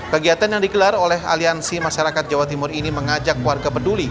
kegiatan yang digelar oleh aliansi masyarakat jawa timur ini mengajak warga peduli